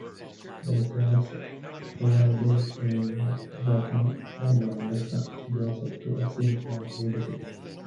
The church's rural base, meanwhile, backed a younger son, Joseph, to assume church leadership.